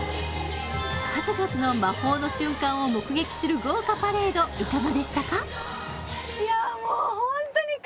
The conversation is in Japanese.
数々の魔法の瞬間を目撃する豪華パレードいかがでしたか？